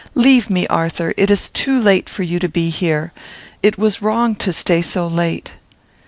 "Leave me, Arthur. It is too late for you to be here. It was wrong to stay so late."